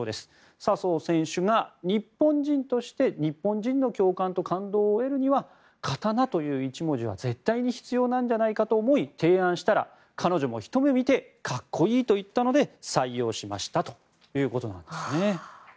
笹生選手が日本人として日本人の共感と感動を得るには「刀」という一文字は絶対に必要なんじゃないかと思い提案したら彼女もひと目見てかっこいいと言ったので採用しましたということです。